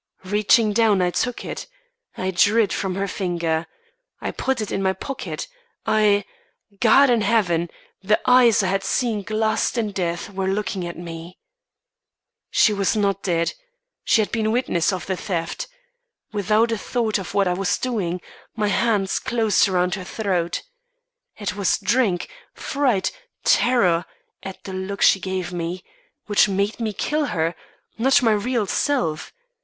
Reaching down, I took it. I drew it from her finger; I put it in my pocket; I God in heaven! The eyes I had seen glassed in death were looking at me. She was not dead she had been witness of the theft. Without a thought of what I was doing, my hands closed round her throat. It was drink fright terror at the look she gave me which made me kill her; not my real self.